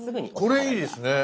これいいですね！